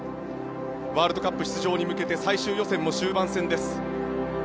ワールドカップ出場に向け最終予選も終盤戦です。